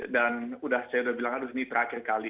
dan saya sudah bilang aduh ini terakhir kali